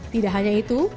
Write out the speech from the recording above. tidak hanya itu